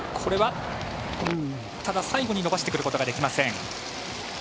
最後に伸ばしてくることができません。